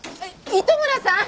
糸村さん！？